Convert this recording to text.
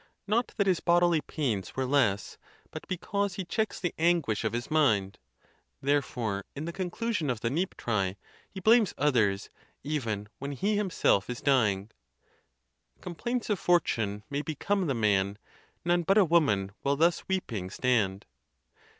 not that his bodily pains were less, but because he checks the anguish of his mind. Therefore, in the conclusion of the Niptre, he blames others, even when he himself is dying: Complaints of fortune may become the man, None but a woman will thus weeping stand.